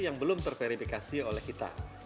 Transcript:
yang belum terverifikasi oleh kita